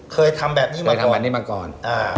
เคยทำแบบนี้มาก่อน